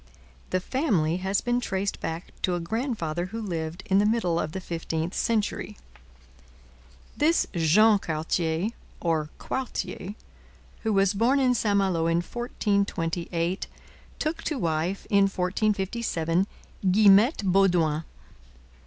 The family has been traced back to a grandfather who lived in the middle of the fifteenth century. This Jean Cartier, or Quartier, who was born in St Malo in 1428, took to wife in 1457 Guillemette Baudoin.